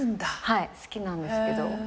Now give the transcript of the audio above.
はい好きなんですけど。